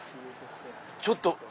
ちょっと！